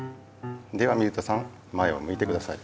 では水田さん前をむいてください。